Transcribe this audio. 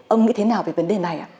ông nghĩ thế nào về vấn đề này